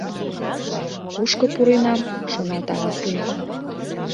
«Кушко пуренам? — шоналта Васлий.